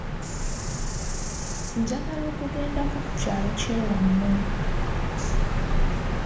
Njagala kugendako ku kyalo kyewammwe.